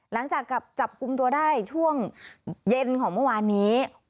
หลังจากกลับจับกลุ่มตัวได้ช่วงเย็นของเมื่อวานนี้